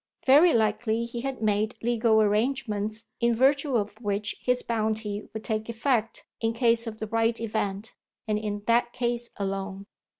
Very likely he had made legal arrangements in virtue of which his bounty would take effect in case of the right event and in that case alone.